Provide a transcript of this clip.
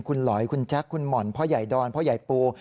คุณหลอยคุณแจ๊คคุณหม่อนพ่อใหญ่ดอนพ่อใหญ่ปู